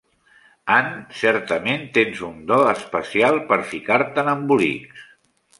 Anne, certament tens un do especial per ficar-te en embolics.